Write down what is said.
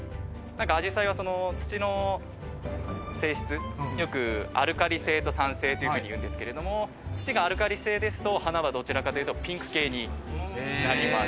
紫陽花は土の性質、よくアルカリ性と酸性というふうに言うんですが、土がアルカリ性ですと花はどちらかというとピンク系になります。